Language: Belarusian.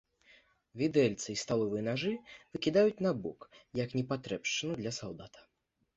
Відэльцы і сталовыя нажы выкідаюць набок, як непатрэбшчыну для салдата.